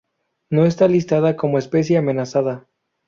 No está listada como especie amenazada.